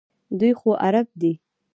دوی خو عرب دي.